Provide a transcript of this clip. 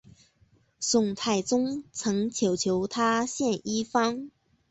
宋太宗曾请求他献医方。